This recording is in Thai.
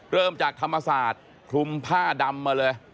เริ่มจากธรรมศาสตร์คลุมผ้าดำมาเลย